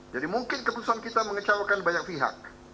jadi mungkin keputusan kita mengecewakan banyak pihak